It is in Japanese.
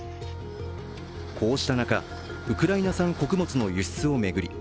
こうした中、ウクライナ産穀物の輸出を巡り